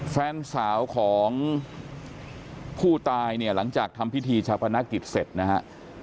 แฟนสาวของผู้ตายเนี่ยหลังจากทำพิธีชาปนกิจเสร็จนะฮะ